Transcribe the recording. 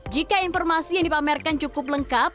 jika informasi yang dipamerkan cukup lengkap